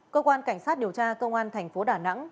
cơ quan cảnh sát điều tra công an tp đà nẵng